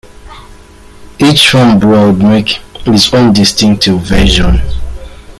Each farm brewer would make his own distinctive version.